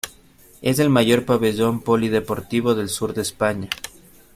Es el mayor pabellón polideportivo del sur de España.